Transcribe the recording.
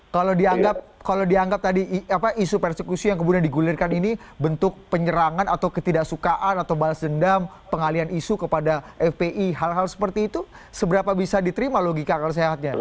kalau dianggap tadi isu persekusi yang kemudian digulirkan ini bentuk penyerangan atau ketidaksukaan atau balas dendam pengalian isu kepada fpi hal hal seperti itu seberapa bisa diterima logika akal sehatnya